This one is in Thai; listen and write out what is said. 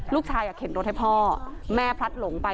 ลูกชายเข็มโดนให้พ่อแม่พลัดหลงไป